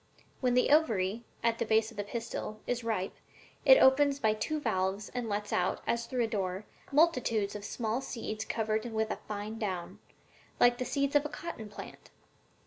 When the ovary, at the base of the pistil, is ripe, it opens by two valves and lets out, as through a door, multitudes of small seeds covered with a fine down, like the seeds of the cotton plant.